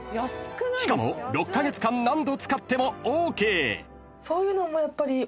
［しかも６カ月間何度使ってもＯＫ］